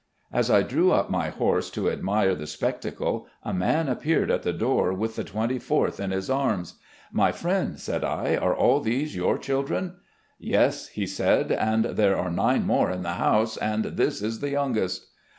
As I drew up my horse to admire the spec tacle, a man appeared at the door with the twenty fourth in his arms. "' My friend, ' said I, ' are all these your children? '"' Yes,' he said, 'and there are nine more in the house, and this is the youngest.